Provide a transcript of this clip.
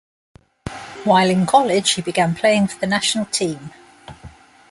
While in college, he began playing for the national team.